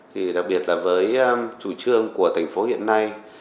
thì đặc biệt là với chủ trương của thành phố hiện nay